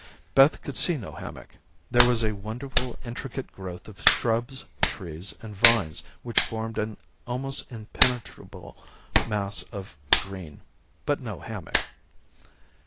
Beth could see no hammock. There was a wonderful, intricate growth of shrubs, trees, and vines which formed an almost impenetrable mass of green, but no hammock.